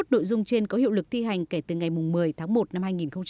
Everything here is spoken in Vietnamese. hai mươi nội dung trên có hiệu lực thi hành kể từ ngày một mươi tháng một năm hai nghìn hai mươi